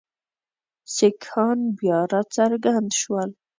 سیکهان بیا را څرګند شول.